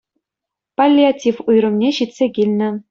Паллиатив уйрӑмне ҫитсе килнӗ